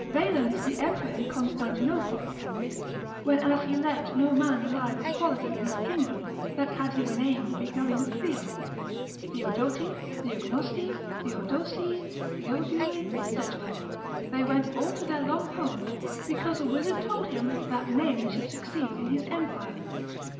Valens the emperor in Constantinople, when as he left no man alive of quality in his kingdom that had his name begun with Theo; Theodoti, Theognosti, Theodosii, Theoduli, &c. They went all to their long home, because a wizard told him that name should succeed in his empire.